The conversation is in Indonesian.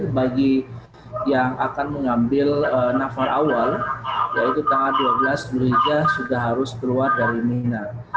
jadi bagi yang akan mengambil nafas awal yaitu tanggal dua belas gereja sudah harus keluar dari mina